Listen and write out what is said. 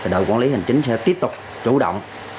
đội quản lý hành chính sẽ tiếp tục chủ động